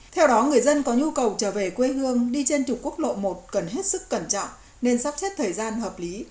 theo đó người dân có nhu cầu trở về quê hương đi trên trục quốc lộ một cần hết sức cẩn trọng nên sắp xếp thời gian hợp lý